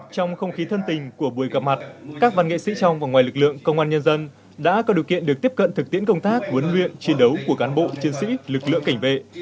trong không khí thân tình của buổi gặp mặt các văn nghệ sĩ trong và ngoài lực lượng công an nhân dân đã có điều kiện được tiếp cận thực tiễn công tác huấn luyện chiến đấu của cán bộ chiến sĩ lực lượng cảnh vệ